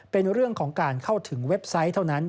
เป็นเรื่องของการเข้าถึงเว็บไซต์เท่านั้น